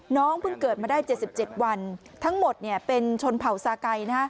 น้องเพิ่งเกิดมาได้เจ็ดสิบเจ็ดวันทั้งหมดเนี่ยเป็นชนเผ่าซาไกรนะฮะ